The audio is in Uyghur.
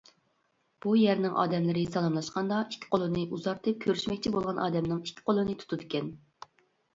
بۇ يەرنىڭ ئادەملىرى سالاملاشقاندا ئىككى قولىنى ئۇزارتىپ كۆرۈشمەكچى بولغان ئادەمنىڭ ئىككى قولىنى تۇتىدىكەن.